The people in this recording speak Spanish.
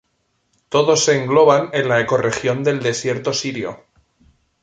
Todos se engloban en la ecorregión del Desierto Sirio.